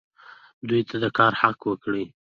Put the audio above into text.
دوی ته د کار حق ورکړئ